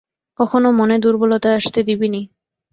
কখনও মনে দুর্বলতা আসতে দিবিনি।